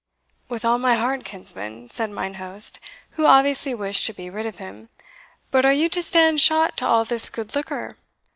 "With all my heart, kinsman," said mine host, who obviously wished to be rid of him; "but are you to stand shot to all this good liquor?"